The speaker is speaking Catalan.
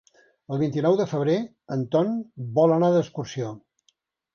El vint-i-nou de febrer en Ton vol anar d'excursió.